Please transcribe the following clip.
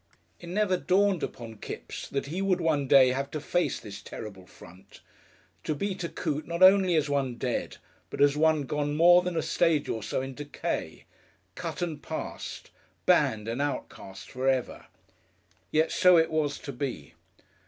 It never dawned upon Kipps that he would one day have to face this terrible front, to be to Coote not only as one dead, but as one gone more than a stage or so in decay, cut and passed, banned and outcast for ever. Yet so it was to be!